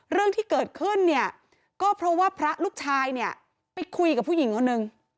เรื่องที่เกิดขึ้นเนี่ยก็เพราะว่าพระลูกชายเนี่ยไปคุยกับผู้หญิงคนนึง